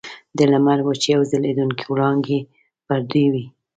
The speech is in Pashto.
د لمر وچې او ځلیدونکي وړانګې پر دوی وې.